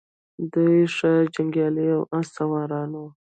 دوی ښه جنګیالي او آس سواران وو